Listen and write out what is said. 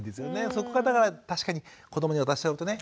そこがだから確かに子どもに渡しちゃうとね